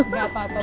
gak apa apa bu